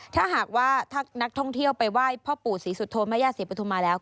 ถ้าหากว่าถ้านักท่องเที่ยวไปไหว้พ่อปู่ศรีสุโธแม่ย่าศรีปฐุมาแล้ว